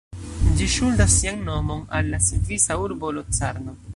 Ĝi ŝuldas sian nomon al la svisa urbo Locarno.